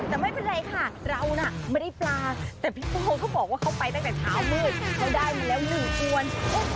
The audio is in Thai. แต่ไม่เป็นไรค่ะเราน่ะไม่ได้ปลาแต่พี่โก้เขาก็บอกว่าเขาไปตั้งแต่เช้ามืดเขาได้มาแล้วหนึ่งกวน